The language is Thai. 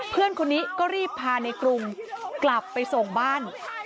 เพื่อนคนนี้ก็รีบพาในกรุงกลับไปส่งบ้าน